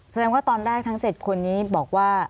แสดงว่าตอนแรกทั้ง๗คนนี้บอกว่า